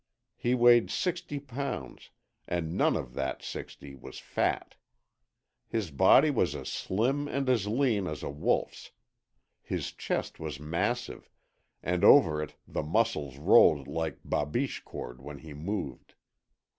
He weighed sixty pounds, and none of that sixty was fat. His body was as slim and as lean as a wolf's. His chest was massive, and over it the muscles rolled like BABICHE cord when he moved.